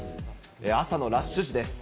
朝のラッシュ時です。